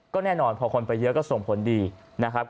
ก็แน่นอนพอคนไปเยอะก็ส่งผลดีนะครับ